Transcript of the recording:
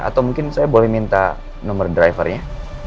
atau mungkin saya boleh minta nomor drivernya